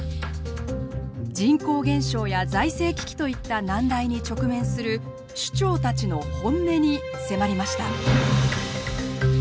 人口減少や財政危機といった難題に直面する首長たちの本音に迫りました。